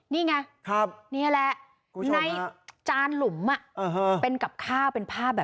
นี่ไงนี่แหละในจานหลุมเป็นกับข้าวเป็นผ้าแบบ